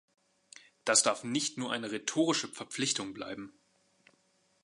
Das darf nicht nur eine rhetorische Verpflichtung bleiben.